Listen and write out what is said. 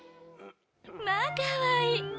まあ、かわいい。